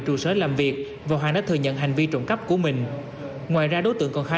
trụ sở làm việc và hoàng đã thừa nhận hành vi trộm cắp của mình ngoài ra đối tượng còn khai